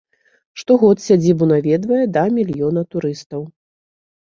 Штогод сядзібу наведвае да мільёна турыстаў.